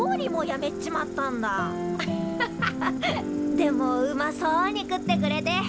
でもうまそうに食ってくれて。